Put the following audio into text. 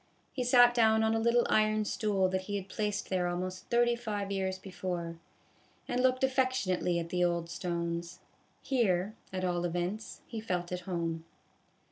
He sat down on a little iron stool that he had placed there almost thirty five years before, and looked affection ately at the old stones. Here, at all events, he felt at home.